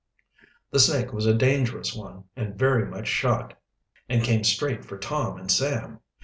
The snake was a dangerous one, and very much shot, and came straight for Tom and Sam.